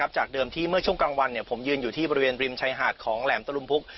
จากเดิมที่เมื่อช่วงกลางวันผมยืนอยู่ที่บริเวณริมชายหาดของแหลมตะลุมพุก